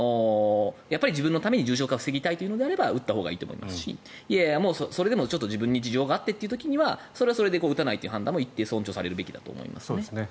やっぱり自分のために重症化を防ぎたいなら打ったほうがいいと思いますしいやいや、それでも自分に事情があってという時にはそれはそれで打たないという判断も一定、尊重されるべきだと思いますね。